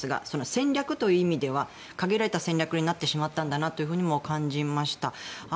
戦略という意味では限られた戦略になってしまったんだなとも感じました。